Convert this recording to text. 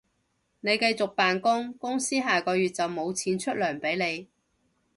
你繼續扮工，公司下個月就無錢出糧畀你